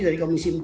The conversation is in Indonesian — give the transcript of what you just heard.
dari komisi empat